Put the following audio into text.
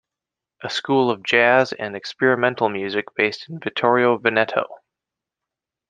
A school of jazz and experimental music based in Vittorio Veneto.